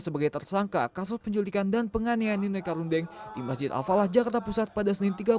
sebagai tersangka kasus penjelitikan dan penganiayan ninoy karundeng di masjid al falah jakarta pusat pada senin tiga puluh september lalu